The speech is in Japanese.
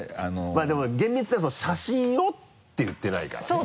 まぁでも厳密には「写真を」って言ってないからね。